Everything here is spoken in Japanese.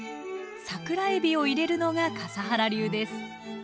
桜えびを入れるのが笠原流です。